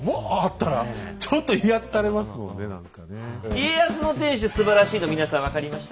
家康の天守すばらしいの皆さん分かりました？